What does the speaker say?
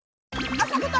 あさこと！